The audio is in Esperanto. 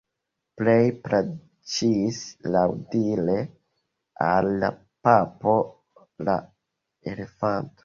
Pleje plaĉis laŭdire al la papo la elefanto.